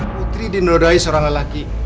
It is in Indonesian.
putri dinodai seorang lelaki